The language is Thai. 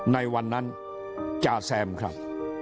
ในวันนั้นจ่าแซมครับ